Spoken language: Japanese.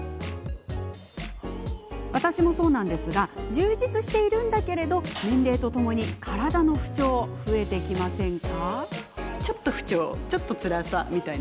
私もそうなんですが充実していながらも年齢とともに体の不調って増えてきませんか？